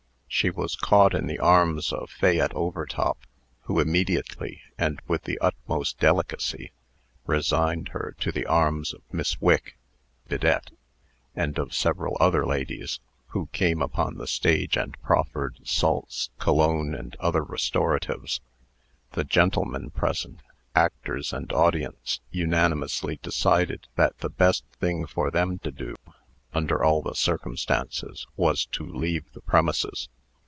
She was caught in the arms of Fayette Overtop, who immediately, and with the utmost delicacy, resigned her to the arms of Miss Wick (Bidette), and of several other ladies, who came upon the stage and proffered salts, cologne, and other restoratives. The gentlemen present, actors and audience, unanimously decided that the best thing for them to do, under all the circumstances, was to leave the premises.